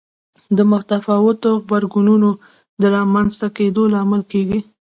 د متفاوتو غبرګونونو د رامنځته کېدو لامل کېږي.